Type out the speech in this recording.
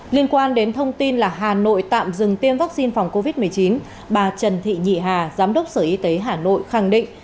liên quan đến thông tin là hà nội tạm dừng tiêm vaccine phòng covid một mươi chín bà trần thị nhị hà giám đốc sở y tế hà nội khẳng định